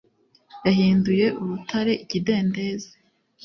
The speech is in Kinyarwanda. yahinduye urutare ikidendezi